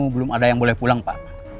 belum ada yang boleh pulang pak